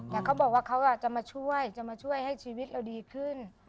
แต่เขาบอกว่าเขาจะมาช่วยจะมาช่วยให้ชีวิตเราดีขึ้น